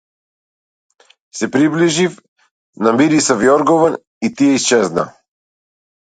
Се приближив, намирисав јоргован и тие исчезнаа.